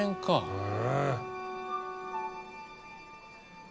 へえ。